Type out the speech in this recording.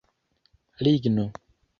ligno